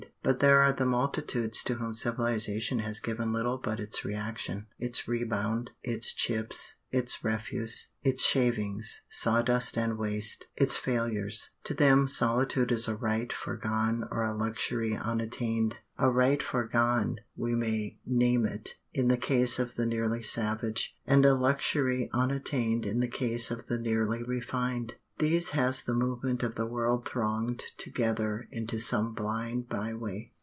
But there are the multitudes to whom civilization has given little but its reaction, its rebound, its chips, its refuse, its shavings, sawdust and waste, its failures; to them solitude is a right foregone or a luxury unattained; a right foregone, we may name it, in the case of the nearly savage, and a luxury unattained in the case of the nearly refined. These has the movement of the world thronged together into some blind by way.